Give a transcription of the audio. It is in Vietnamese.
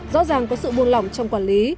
rõ ràng có sự buôn lỏng trong quản lý